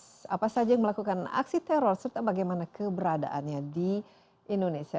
kasus apa saja yang melakukan aksi teror serta bagaimana keberadaannya di indonesia